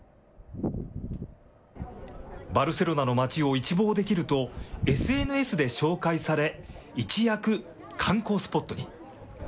バルセロナの街を一望できるとＳＮＳで紹介され、一躍、観光スポットに。